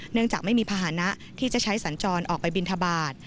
เนื่องจากไม่มีพาหนะที่จะใช้สัญจรออกไปบิณฑบาส